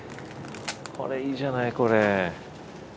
いいじゃないこれ。